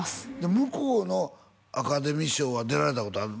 向こうのアカデミー賞は出られたことあるの？